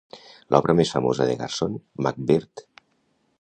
L'obra més famosa de Garson, MacBird!